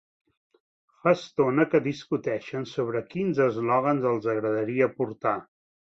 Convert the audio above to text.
Fa estona que discuteixen sobre quins eslògans els agradaria portar.